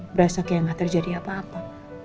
berasa kayak gak terjadi apa apa